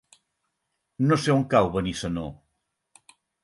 No sé on cau Benissanó.